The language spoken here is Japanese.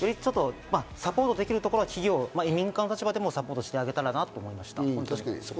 サポートできるところは民間の立場でもサポートしてあげたらなと思いました。